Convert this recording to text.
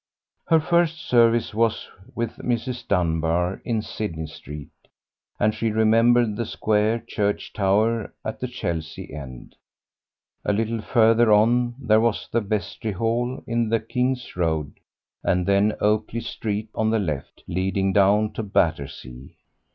Her first service was with Mrs. Dunbar, in Sydney Street, and she remembered the square church tower at the Chelsea end; a little further on there was the Vestry Hall in the King's Road, and then Oakley Street on the left, leading down to Battersea.